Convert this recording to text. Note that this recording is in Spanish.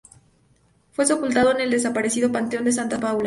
Fue sepultado en el desaparecido Panteón de Santa Paula.